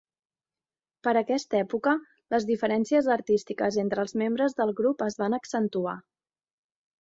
Per aquesta època, les diferències artístiques entre els membres del grup es van accentuar.